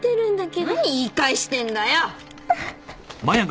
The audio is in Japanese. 何言い返してんだよ！